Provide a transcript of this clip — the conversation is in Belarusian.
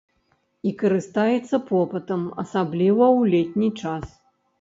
І карыстаецца попытам, асабліва ў летні час.